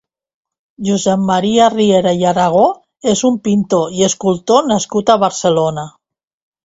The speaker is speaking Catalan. Josep Maria Riera i Aragó és un pintor i escultor nascut a Barcelona.